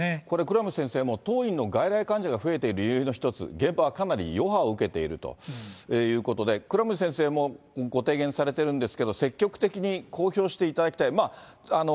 これ、倉持先生、当院の外来患者が増えている理由の一つ、現場はかなり余波を受けているということで、倉持先生も、ご提言されてるんですけれども、積極的に公表していただきたい。